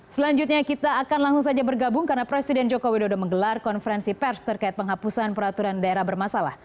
selanjutnya kita akan langsung saja bergabung karena presiden joko widodo menggelar konferensi pers terkait penghapusan peraturan daerah bermasalah